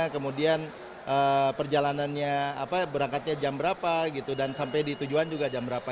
kemudian perjalanannya berangkatnya jam berapa gitu dan sampai di tujuan juga jam berapa